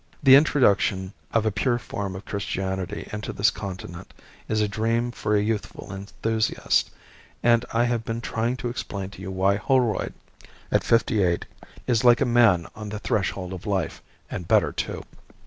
The introduction of a pure form of Christianity into this continent is a dream for a youthful enthusiast, and I have been trying to explain to you why Holroyd at fifty eight is like a man on the threshold of life, and better, too.